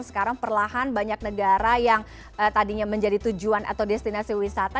sekarang perlahan banyak negara yang tadinya menjadi tujuan atau destinasi wisata